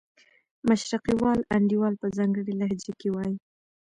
مشرقي وال انډیوال په ځانګړې لهجه کې وایي.